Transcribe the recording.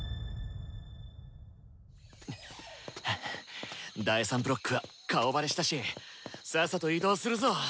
ハァ第３ブロックは顔バレしたしさっさと移動するぞ。